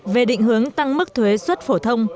về định hướng tăng mức thuế xuất phổ thông